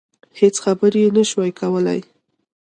هېڅ خبرې يې نشوای کولای.